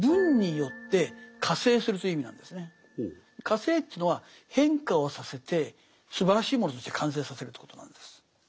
化成というのは変化をさせてすばらしいものとして完成させるということなんです。